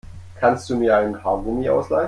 Kannst du mir ein Haargummi ausleihen?